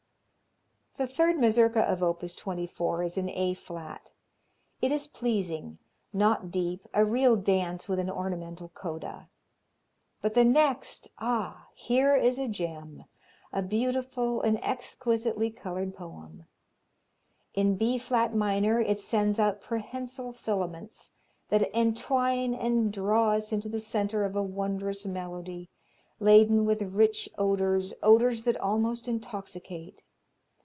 The third Mazurka of op. 24 is in A flat. It is pleasing, not deep, a real dance with an ornamental coda. But the next! Ah! here is a gem, a beautiful and exquisitely colored poem. In B flat minor, it sends out prehensile filaments that entwine and draw us into the centre of a wondrous melody, laden with rich odors, odors that almost intoxicate.